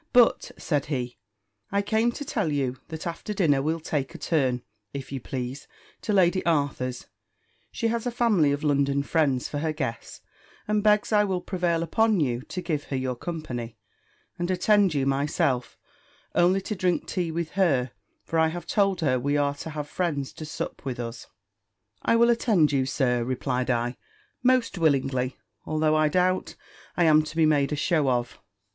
"But," said he, "I came to tell you, that after dinner we'll take a turn, if you please, to Lady Arthur's: she has a family of London friends for her guests, and begs I will prevail upon you to give her your company, and attend you myself, only to drink tea with her; for I have told her we are to have friends to sup with us." "I will attend you, Sir," replied I, "most willingly; although I doubt I am to be made a shew of."